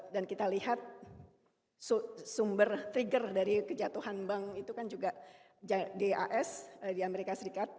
dan kita lihat sumber trigger dari kejatuhan bank itu kan juga das di amerika serikat